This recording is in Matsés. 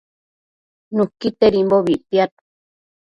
Nuquitedimbobi ictiad